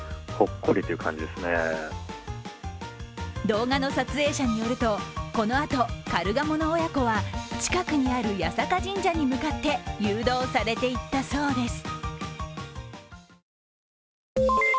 動画の撮影者によると、このあとカルガモの親子は近くにある八坂神社に向かって誘導されていったそうです。